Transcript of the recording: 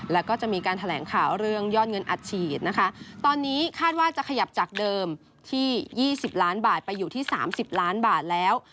แล้วก็จะมีการแถลงข่าวเรื่องยอดเงินอัดฉีดนะคะตอนนี้คาดว่าจะขยับจากเดิมที่๒๐ล้านบาทไปอยู่ที่๓๐ล้านบาทแล้ว